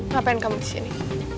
ngapain kamu di sini